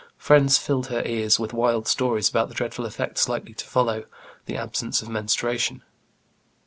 Friends filled her ears with wild stories about the dreadful effects likely to follow the absence of menstruation.